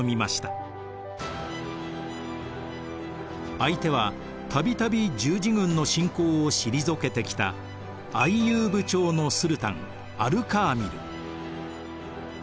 相手は度々十字軍の侵攻を退けてきたアイユーブ朝のスルタンアル・カーミル。